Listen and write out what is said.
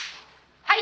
はい。